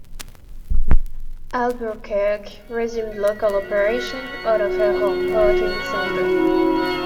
"Albuquerque" resumed local operations out of her home port in December.